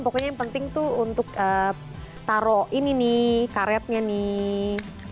pokoknya yang penting tuh untuk taruh ini nih karetnya nih